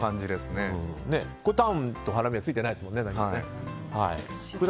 タンとハラミは何もついてないですもんね。